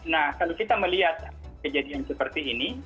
nah kalau kita melihat kejadian seperti ini